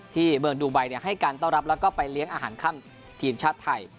ที่เมืองดูไบให้การต้อนรับแล้วก็ไปเลี้ยงอาหารค่ำทีมชาติไทย